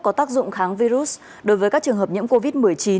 có tác dụng kháng virus đối với các trường hợp nhiễm covid một mươi chín